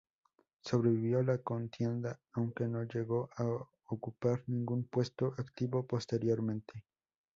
Sobrevivió a la contienda aunque no llegó a ocupar ningún puesto activo posteriormente.